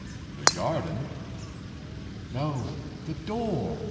"The garden?" "No—the door!